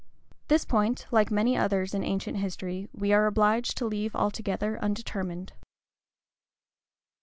This point, like many others in ancient history, we are obliged to leave altogether undetermined.